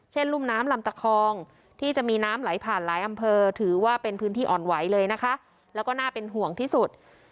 รุ่มน้ำลำตะคองที่จะมีน้ำไหลผ่านหลายอำเภอถือว่าเป็นพื้นที่อ่อนไหวเลยนะคะแล้วก็น่าเป็นห่วงที่สุด